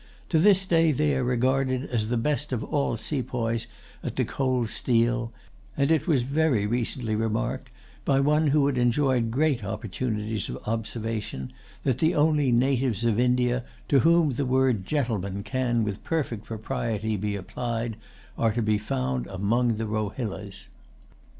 To this day they are regarded as the best of all sepoys at the cold steel; and it was very recently remarked, by one who had enjoyed great opportunities of observation, that the only natives of India to whom the word "gentleman" can with perfect propriety be applied are to be found among the Rohillas.